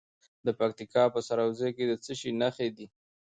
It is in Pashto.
د پکتیکا په سروضه کې د څه شي نښې دي؟